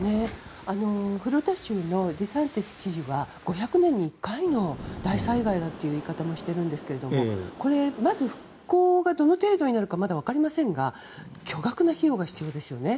フロリダ州の知事は５００年に１回の大災害だという言い方もしているんですがまず、復興がどの程度になるか分かりませんが巨額な費用が必要ですよね。